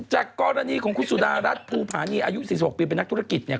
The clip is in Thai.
จากกรณีของคุณสุดารัฐภูผานีอายุ๔๖ปีเป็นนักธุรกิจเนี่ย